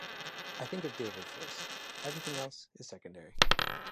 I have to think of David first, everything else is secondary.